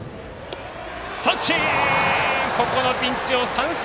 三振！